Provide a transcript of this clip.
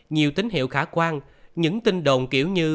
nhiều tín hiệu khả quan những tin đồn kiểu như